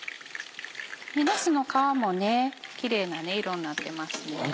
なすの皮もキレイな色になってますね。